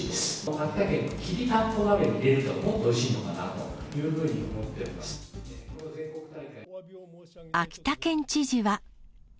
秋田県のきりたんぽ鍋に入れると、もっとおいしいのかなというふう秋田県知事は。